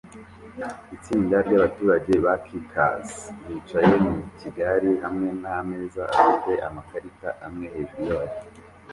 Itsinda ryabaturage ba Caucase bicaye mu gikari hamwe nameza afite amakarita amwe hejuru yayo